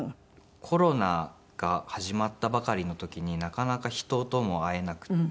コロナが始まったばかりの時になかなか人とも会えなくて。